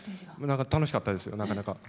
楽しかったです、なかなか。